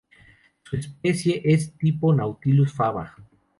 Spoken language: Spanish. Su especie tipo es "Nautilus faba".